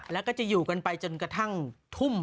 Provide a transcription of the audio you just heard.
แล้วก็จะอยู่กันไปจนกระทั่งทุ่ม